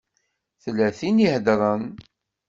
Tella tin i iheddṛen.